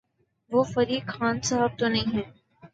وہ فریق خان صاحب تو نہیں ہیں۔